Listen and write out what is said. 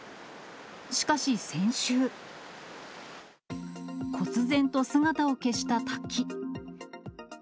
しかし先週、こつ然と姿を消した滝。